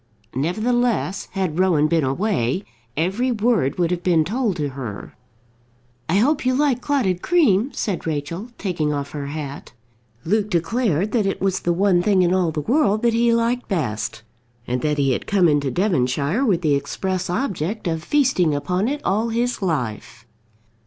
Nevertheless, had Rowan been away, every word would have been told to her. "I hope you like clotted cream," said Rachel, taking off her hat. Luke declared that it was the one thing in all the world that he liked best, and that he had come into Devonshire with the express object of feasting upon it all his life.